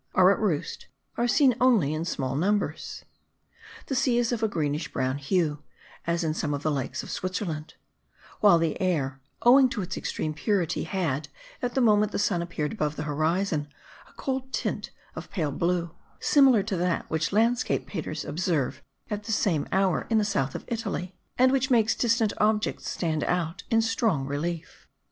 are at roost, are seen only in small numbers. The sea is of a greenish brown hue, as in some of the lakes of Switzerland; while the air, owing to its extreme purity, had, at the moment the sun appeared above the horizon, a cold tint of pale blue, similar to that which landscape painters observe at the same hour in the south of Italy, and which makes distant objects stand out in strong relief.